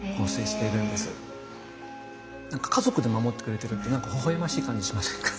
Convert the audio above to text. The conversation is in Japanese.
何か家族で守ってくれてるってほほ笑ましい感じしませんか？